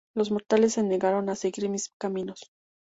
Los mortales se negaron a seguir mis caminos.